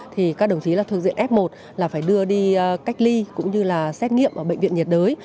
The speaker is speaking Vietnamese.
thì các đồng chí là thuộc diện f một là phải đưa đi cách ly cũng như là xét nghiệm ở bệnh viện nhiệt đới